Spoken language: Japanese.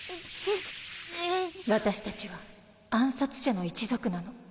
私たちは暗殺者の一族なの